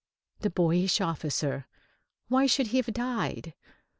The boyish officer why should he have died?